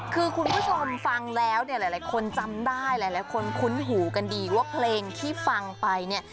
คือคุณผู้ชมฟังแล้วเนี่ยหลายคนจำได้หลายคนคุ้นหูกันดีว่าเพลงที่ฟังไปเนี่ย